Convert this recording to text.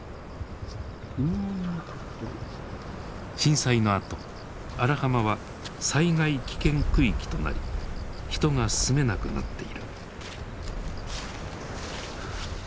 震災のあと荒浜は災害危険区域となり人が住めなくなっている。